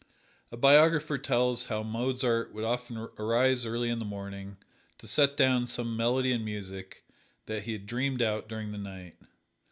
A biographer tells how Mozart would often arise early in the morning to set down some melody in music that he had dreamed out during the night.